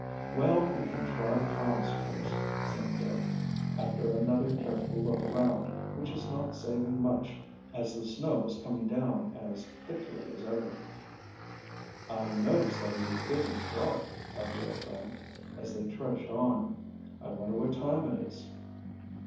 "Well, we can try Tom's course," said Dick, after another careful look around which is not saving much as the snow was coming down as thickly as ever. "I notice that it is getting dark," observed Frank, as they trudged on. "I wonder what time it is?"